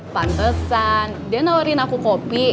pantesan dia nawarin aku kopi